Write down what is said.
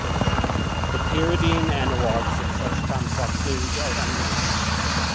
The pyridine analogues of such complexes are unknown.